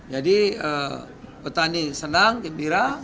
jadi petani senang gembira